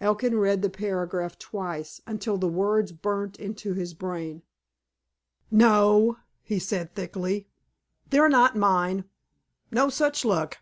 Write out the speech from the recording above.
Elkin read the paragraph twice, until the words burnt into his brain. "No," he said thickly. "They're not mine. No such luck!"